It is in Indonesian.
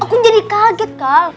aku jadi kaget kal